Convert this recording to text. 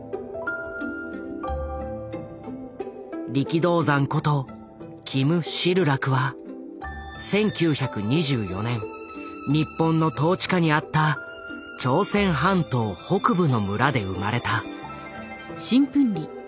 力道山ことキム・シルラクは１９２４年日本の統治下にあった朝鮮半島北部の村で生まれた。